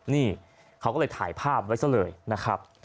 นี่เขาก็เลยถ่ายภาพไว้ซะเลยนะครับ